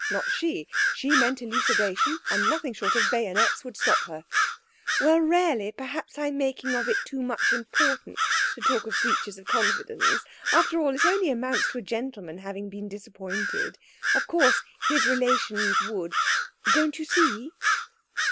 Not she! She meant elucidation, and nothing short of bayonets would stop her. "Well, really, perhaps I'm making it of too much importance to talk of breaches of confidence. After all, it only amounts to a gentleman having been disappointed. Of course, his relations would ... don't you see?..."